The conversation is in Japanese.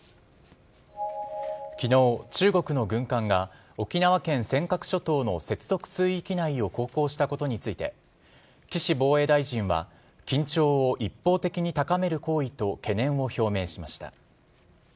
きのう、中国の軍艦が沖縄県尖閣諸島の接続水域内を航行したことについて、岸防衛大臣は、緊張を一方的に高める行為と懸念を表明しました。